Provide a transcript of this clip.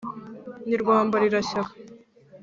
ni rwambarirashyaka